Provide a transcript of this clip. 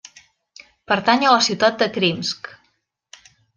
Pertany a la ciutat de Krimsk.